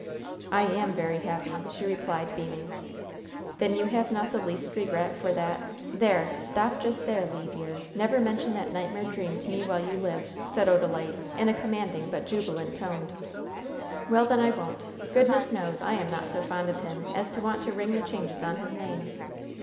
"I am very happy," she replied, beaming. "Then you have not the least regret for that " "There! Stop just there, Le, dear! Never mention that nightmare dream to me while you live!" said Odalite, in a commanding but jubilant tone. "Well, then, I won't. Goodness knows I am not so fond of him as to want to ring the changes on his name!"